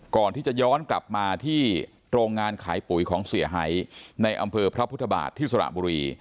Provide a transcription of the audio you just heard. ก่อนที่จะย้อนกลับมาที่โรงงานขายปุ๋ยของเสียหายในอำเภอพระพุทธบาทที่สระบุรี